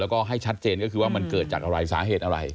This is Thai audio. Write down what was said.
แล้วก็ให้ชัดเจนก็คือว่ามันเกิดจากอะไรสาเหตุอะไร